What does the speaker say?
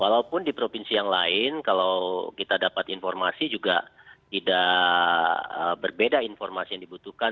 walaupun di provinsi yang lain kalau kita dapat informasi juga tidak berbeda informasi yang dibutuhkan